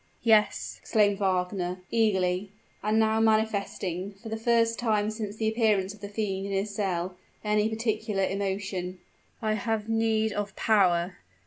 "Yes," exclaimed Wagner, eagerly and now manifesting, for the first time since the appearance of the fiend in his cell, any particular emotion: "I have need of _power!